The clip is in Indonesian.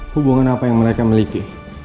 hubungan apa yang mereka miliki